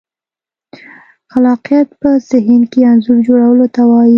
خلاقیت په ذهن کې انځور جوړولو ته وایي.